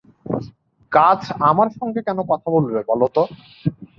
গাছ আমার সঙ্গে কেন কথা বলবে বল তো?